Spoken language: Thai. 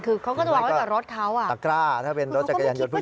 คือเขาก็จะวางไว้กับรถเขาอ่ะตะกร้าถ้าเป็นรถจักรยานยนต์ผู้